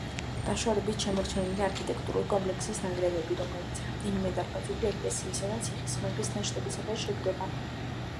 დაშორებით შემორჩენილი არქიტექტურული კომპლექსის ნანგრევები, რომელიც რამდენიმე დარბაზული ეკლესიისა და ციხე-სიმაგრის ნაშთებისგან შედგება.